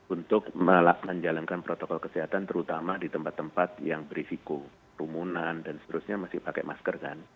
untuk menjalankan protokol kesehatan terutama di tempat tempat yang berisiko rumunan dan seterusnya masih pakai masker kan